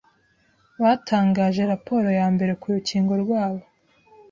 batangaje raporo ya mbere ku rukingo rwabo